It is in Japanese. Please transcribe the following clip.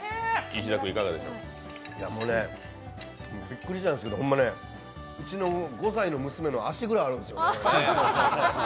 これ、びっくりしたんですけどほんま、うちの５歳の娘の足ぐらいあるんです。